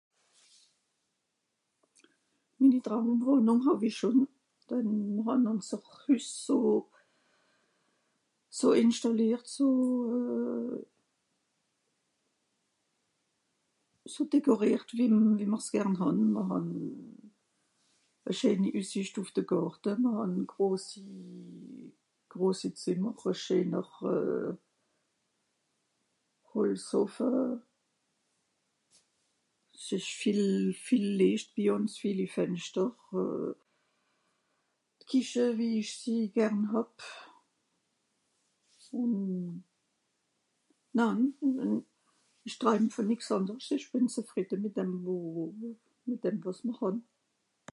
Minni Traumwohnung hàw i schùn, denn mir hàn ùnser Hüs so so inschtàlliert, so euh, so dekoriert wie wie mer's gärn hàn. M'r hàn e scheeni Üssicht ùf de Gàrte, m'r hàn groosi, groosi Zìmmer, e scheener euh Holzoffe. 'S isch viel, viel Liecht by uns, vieli Fänschter euh. D Kiche wie ich sie gärn hàb ùn naan, ich traim von nix àndersch, ich bin zefrìdde mìt dem wo, mìt dem, wàs m'r hàn.